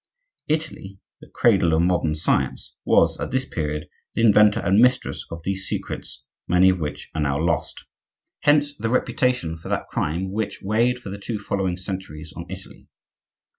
Italy, the cradle of modern science, was, at this period, the inventor and mistress of these secrets, many of which are now lost. Hence the reputation for that crime which weighed for the two following centuries on Italy.